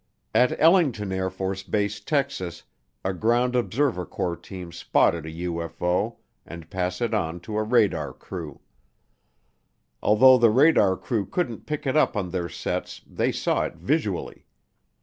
At Ellington AFB, Texas, a Ground Observer Corps team spotted a UFO and passed it on to a radar crew. Although the radar crew couldn't pick it up on their sets they saw it visually.